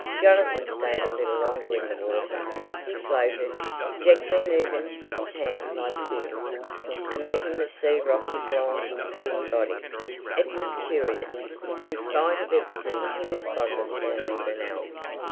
Jonathan stayed a little longer in the water. He floated, gently moving his hands like fins, and letting the sea rock his long, skinny body. It was curious, but in spite of everything he was fond of Stanley Burnell.